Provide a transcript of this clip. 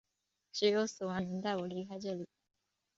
只有死亡能带我离开这里！